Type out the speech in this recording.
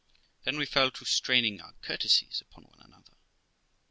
Then we fell to straining our courtesies upon one another.